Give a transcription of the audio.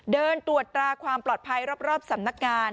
เดินตรวจตราความปลอดภัยรอบสำนักงาน